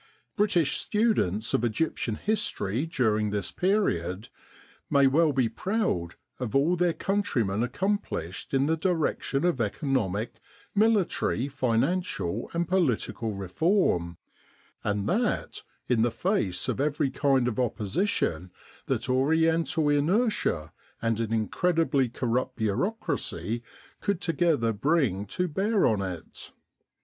British students of Egyptian history during this period may well be proud of all their countrymen accomplished in the direction of economic, military, financial and political reform, and that in the face of every kind of opposition that Oriental inertia and an incredibly corrupt bureaucracy could together bring to bear on it.